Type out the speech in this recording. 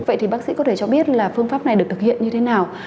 vậy thì bác sĩ có thể cho biết là phương pháp này được thực hiện như thế nào